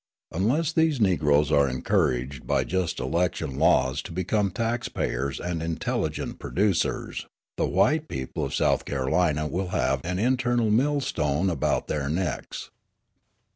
Unless these Negroes are encouraged by just election laws to become tax payers and intelligent producers, the white people of South Carolina will have an eternal millstone about their necks.